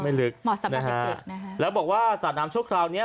ลึกเหมาะสำหรับให้เกิดนะคะแล้วบอกว่าสระน้ำชั่วคราวเนี้ย